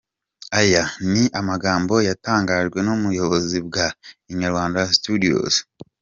Aya ni amagambo yatangajwe n’ubuyobozi bwa Inyarwanda Studios.